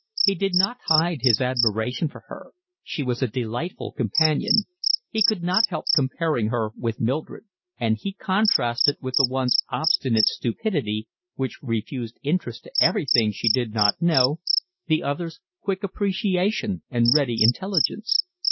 He did not hide his admiration for her. She was a delightful companion. He could not help comparing her with Mildred; and he contrasted with the one's obstinate stupidity, which refused interest to everything she did not know, the other's quick appreciation and ready intelligence.